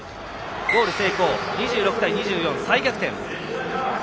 ゴール成功で２６対２４と再逆転。